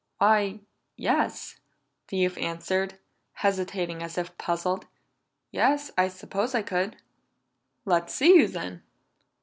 "Why yes," the youth answered, hesitating as if puzzled. "Yes, I suppose I could." "Let's see you, then."